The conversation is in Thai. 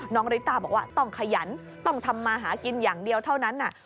ริต้าบอกว่าต้องขยันต้องทำมาหากินอย่างเดียวเท่านั้น